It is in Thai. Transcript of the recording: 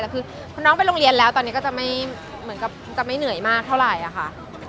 แต่คือพอน้องไปโรงเรียนแล้วตอนนี้ก็จะไม่เหมือนกับจะไม่เหนื่อยมากเท่าไหร่ค่ะ